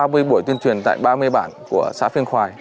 ba mươi buổi tuyên truyền tại ba mươi bản của xã phiên khoài